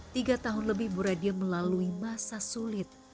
tiga tahun lebih buradiem melalui masa sulit